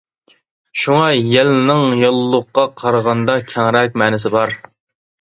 شۇڭا يەلنىڭ ياللۇغقا قارىغاندا كەڭرەك مەنىسى بار.